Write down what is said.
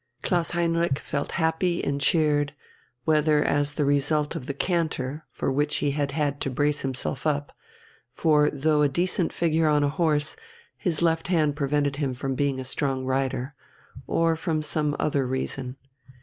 Klaus Heinrich felt happy and cheered, whether as the result of the canter for which he had had to brace himself up, for, though a decent figure on a horse, his left hand prevented him from being a strong rider or for some other reason.